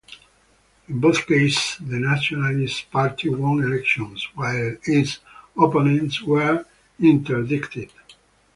In both cases, the Nationalist Party won elections while its opponents were interdicted.